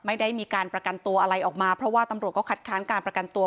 ไม่ได้มีการประกันตัวอะไรออกมาเพราะว่าตำรวจก็คัดค้านการประกันตัว